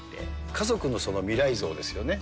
家族の未来像ですよね。